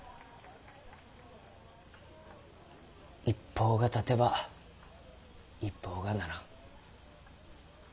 一方が立てば一方がならん。